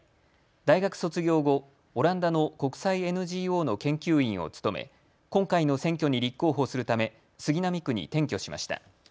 大学卒業後、オランダの国際ＮＧＯの研究員を務め今回の選挙に立候補するため杉並区に転居しました。